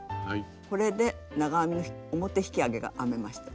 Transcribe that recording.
これで長編み表引き上げが編めました。